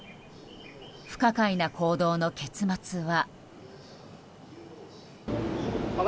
不可解な行動の結末は。